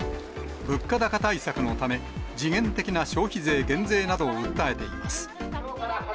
物価高対策のため、時限的な消費税減税などを訴えています。